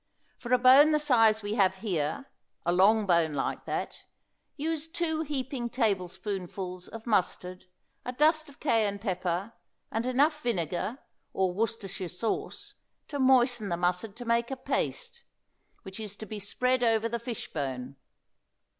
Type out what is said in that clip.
For a bone the size we have here, a long bone like that, use two heaping tablespoonfuls of mustard, a dust of Cayenne pepper and enough vinegar, or Worcestershire sauce, to moisten the mustard to make a paste, which is to be spread over the fishbone.